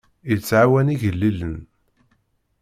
Yettɛawan igellilen.